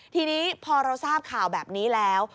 ทีนี้พอเราทราบข่าวแบบนี้แล้ว